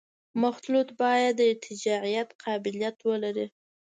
مخلوط باید د ارتجاعیت قابلیت ولري